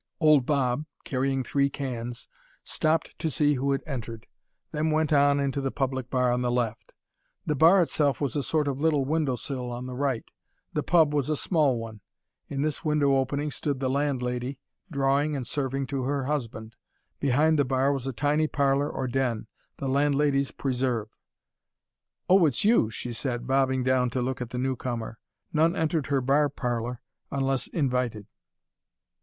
Old Bob, carrying three cans, stopped to see who had entered then went on into the public bar on the left. The bar itself was a sort of little window sill on the right: the pub was a small one. In this window opening stood the landlady, drawing and serving to her husband. Behind the bar was a tiny parlour or den, the landlady's preserve. "Oh, it's you," she said, bobbing down to look at the newcomer. None entered her bar parlour unless invited.